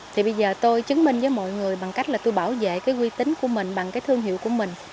thì bây giờ tôi chứng minh với mọi người bằng cách là tôi bảo vệ cái quy tính của mình bằng cái thương hiệu của mình